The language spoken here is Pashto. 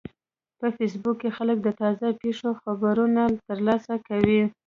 په فېسبوک کې خلک د تازه پیښو خبرونه ترلاسه کوي